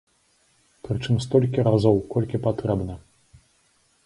Прычым столькі разоў, колькі патрэбна.